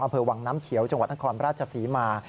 อเผลวังน้ำเขียวจังหวัดนครพระราชสีมา